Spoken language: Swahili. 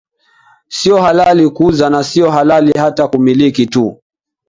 sio halali kuuza na sio halali hata kumiliki tu